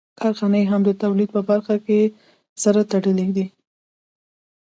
کارخانې هم د تولید په برخه کې سره تړلې دي